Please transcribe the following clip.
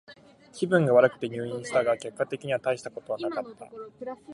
気分が悪くて入院したが、結果的にはたいしたことはなかった。